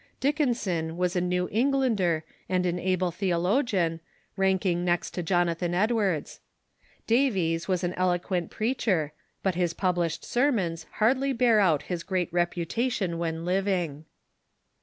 Dick inson was a New Englander and an able theolo Middle Colonies .,. t i t i i t t v • gian, rankmg next to Jonathan ii, dwards. Davies was an eloquent preacher, but his published sermons hardly bear out his great reputation when living.